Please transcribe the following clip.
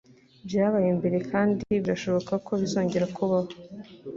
Byabaye mbere kandi birashoboka ko bizongera kubaho.